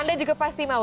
anda juga pasti mau